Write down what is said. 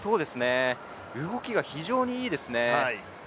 動きが非常にいいですね。